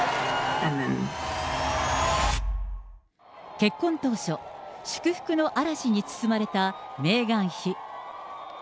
結婚当初、祝福の嵐に包まれたメーガン妃。